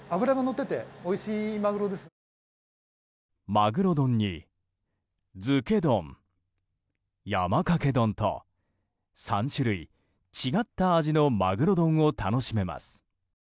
まぐろ丼に、漬け丼山かけ丼と３種類違った味のまぐろ丼を楽しめます。